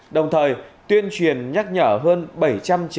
đồng thời tuyên truyền nhắc nhở hơn bảy trăm linh trường hợp xe mô tô